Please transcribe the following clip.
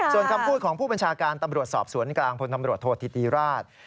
ส่วนคำพูดของผู้บัญชาการตำรวจสอบสวนกลางพลตำรวจโทษธิติราช